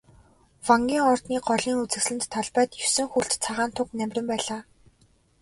Вангийн ордны голын үзэсгэлэнт талбайд есөн хөлт цагаан туг намиран байлаа.